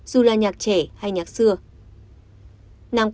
dù là nhạc trẻ hay nhạc xưa